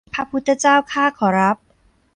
พระพุทธเจ้าข้าขอรับ